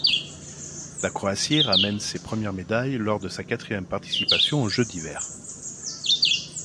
La Croatie ramène ses premières médailles lors de sa quatrième participation aux Jeux d'hiver.